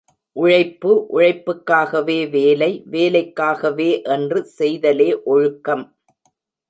உழைப்பு, உழைப்புக்காகவே வேலை, வேலைக்காகவே என்று செய்தலே ஒழுக்கம்.